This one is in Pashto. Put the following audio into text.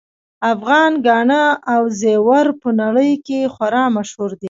افغان ګاڼه او زیور په نړۍ کې خورا مشهور دي